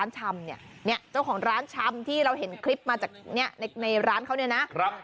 เจ้าของร้านชำที่เราเห็นคลิปมาจากร้านเขานี่นะ